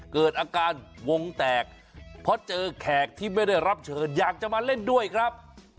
เกิดอาการวงแตกเพราะเจอแขกที่ไม่ได้รับเชิญอยากจะมาเล่นด้วยครับ